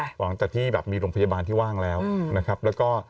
หลังจากที่แบบมีโรงพยาบาลที่ว่างแล้วนะครับแล้วก็